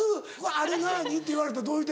「あれなに？」って言われたらどう言うてんの？